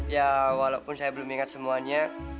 ya walaupun saya belum ingat semuanya